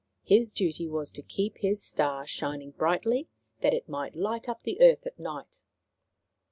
His duty was tc keep his star shining brightly that it might light up the earth at night.